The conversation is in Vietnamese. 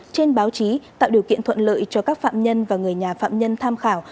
trên báo chí tạo điều kiện thuận lợi cho các phạm nhân và người nhà phạm nhân tham khảo